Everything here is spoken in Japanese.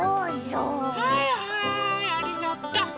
はいはいありがとう！